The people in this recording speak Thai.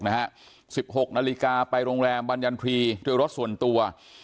๑๖นาฬิกาไปโรงแรมบรรยันทรีย์โดยรถส่วนตัว